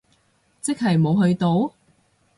即係冇去到？